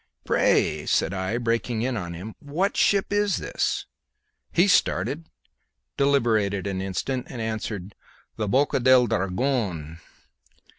"Pray," said I, breaking in upon him, "what ship is this?" He started, deliberated an instant, and answered, "The Boca del Dragon."